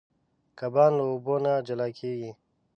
کبان له اوبو نه جلا کېږي.